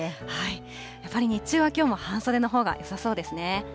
やっぱり日中はきょうも半袖のほうがよさそうですね。